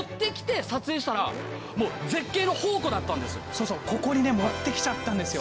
そうそうここにね持ってきちゃったんですよ！